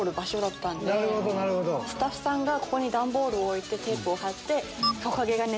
スタッフさんが段ボールを置いてテープを貼って。